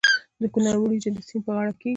د کونړ وریجې د سیند په غاړه کیږي.